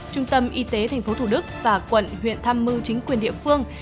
trung tâm y tế tp hcm và quận huyện tham mưu chính quyền địa phương